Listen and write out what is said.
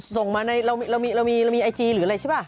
ส่งมาเรามีไอจีหรืออะไรใช่ป่ะ